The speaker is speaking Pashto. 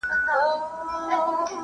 چي زندان تر آزادۍ ورته بهتر وي `